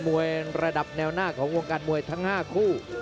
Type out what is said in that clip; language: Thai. ระดับแนวหน้าของวงการมวยทั้ง๕คู่